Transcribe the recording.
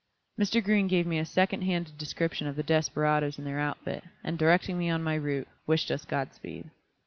Mr. Green gave me a second handed description of the desperadoes and their outfit, and directing me on my route, wished us Godspeed.